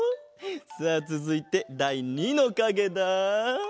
さあつづいてだい２のかげだ。